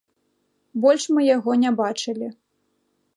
Больш мы яго не бачылі.